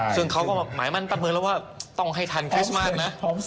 ซึ่งเขาก็หมายมั่นประเมินแล้วว่าต้องให้ทันคริสต์มาสนะ